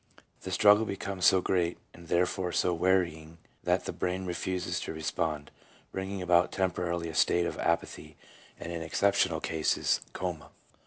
The struggle becomes so great, and there fore so wearying, that the brain refuses to respond, bringing about temporarily a state of apathy, and in exceptional cases, coma.